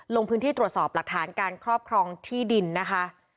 ลงพื้นที่ตรวจสอบหลักฐานการครอบครองที่ดินนะคะ